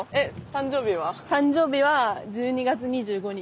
誕生日は１２月２５日。